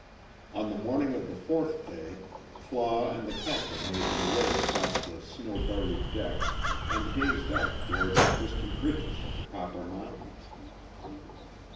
On the morning of the fourth day Claw and the Captain made their way across the snow buried deck and gazed out toward the distant ridges of the Copper Mountains.